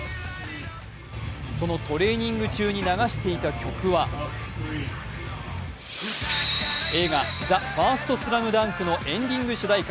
そのトレーニング中に流していた曲は映画「ＴＨＥＦＩＲＳＴＳＬＡＭＤＵＮＫ」のエンディング主題歌